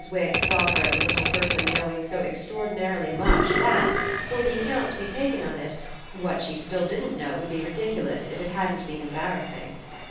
Wix saw her as a little person knowing so extraordinarily much that, for the account to be taken of it, what she still didn't know would be ridiculous if it hadn't been embarrassing.